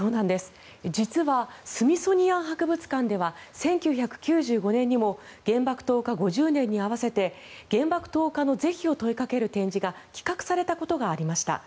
実はスミソニアン博物館では１９９５年にも原爆投下５０年に合わせて原爆投下の是非を問いかける展示が企画されたことがありました。